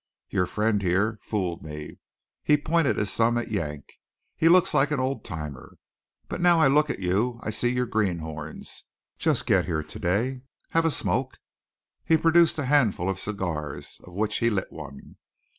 "Your friend, here, fooled me." He pointed his thumb at Yank. "He looks like an old timer. But now I look at you, I see you're greenhorns. Just get here to day? Have a smoke?" He produced a handful of cigars, of which he lit one.